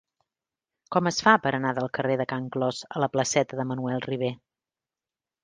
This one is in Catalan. Com es fa per anar del carrer de Can Clos a la placeta de Manuel Ribé?